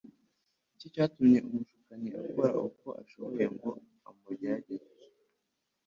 Iki nicyo cyatumwe umushukanyi akora uko ashoboye ngo amugeragereshe